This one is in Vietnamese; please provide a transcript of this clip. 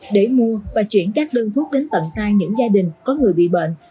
để mua và chuyển các đơn thuốc đến tận tay những gia đình có người bị bệnh